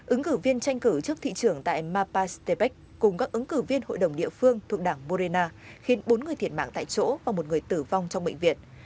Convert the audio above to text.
ứng cử viên tranh cử trước thị trường tại mapa stepec cùng các ứng cử viên hội đồng địa phương thuộc đảng morina khiến bốn người thiệt mạng tại chỗ và một người tử vong trong bệnh viện